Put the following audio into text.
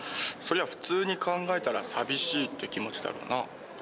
そりゃ普通に考えたら「寂しい」っていう気持ちだろうな。